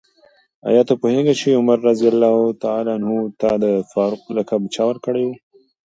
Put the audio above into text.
آیا ته پوهېږې چې عمر رض ته د فاروق لقب چا ورکړی و؟